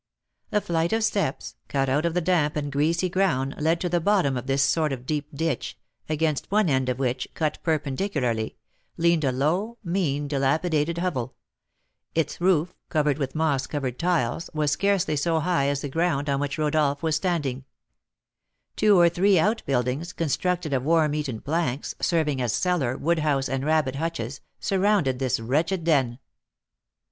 A flight of steps, cut out of the damp and greasy ground, led to the bottom of this sort of deep ditch, against one end of which, cut perpendicularly, leaned a low, mean, dilapidated hovel; its roof, covered with moss covered tiles, was scarcely so high as the ground on which Rodolph was standing; two or three out buildings, constructed of worm eaten planks, serving as cellar, wood house, and rabbit hutches, surrounded this wretched den.